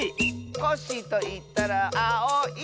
「コッシーといったらあおい！」